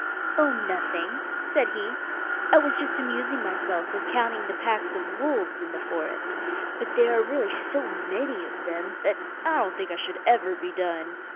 'Oh, nothing,' said he, 'I was just amusing myself with counting the packs of wolves in the forest, but there are really so many of them that I don't think I should ever be done.